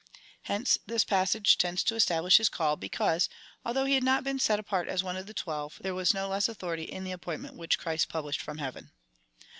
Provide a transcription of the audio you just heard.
Hence this passage tends to establish his call, because, although he had not been set apart as one of the twelve, there was no less authority in the appointment which Christ published from heaven.